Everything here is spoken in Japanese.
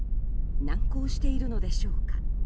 難航しているのでしょうか。